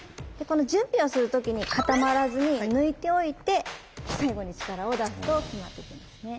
この準備をする時に固まらずに抜いておいて最後に力を出すと極まってきますね。